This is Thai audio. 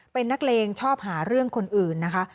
เป็นนักเลงชอบหาเรื่องคนอื่นนะคะ